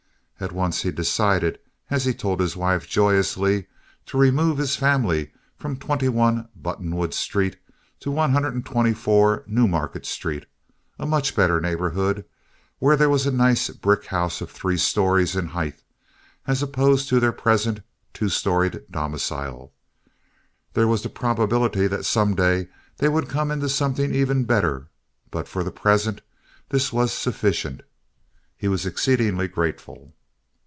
At once he decided, as he told his wife joyously, to remove his family from 21 Buttonwood Street to 124 New Market Street, a much better neighborhood, where there was a nice brick house of three stories in height as opposed to their present two storied domicile. There was the probability that some day they would come into something even better, but for the present this was sufficient. He was exceedingly grateful.